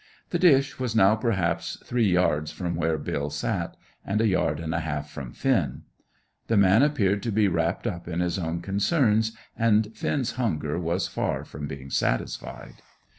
The dish was now perhaps three yards from where Bill sat, and a yard and a half from Finn. The man appeared to be wrapped up in his own concerns, and Finn's hunger was far from being satisfied.